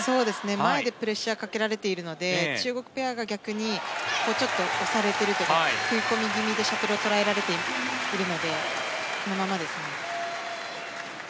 前でプレッシャーをかけられているので中国ペアが逆にちょっと押されているというか食い込み気味でシャトルを捉えられているのでこのままですね。